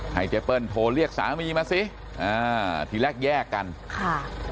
เจเปิ้ลโทรเรียกสามีมาสิอ่าทีแรกแยกกันค่ะ